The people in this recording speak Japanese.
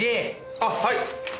あっはい！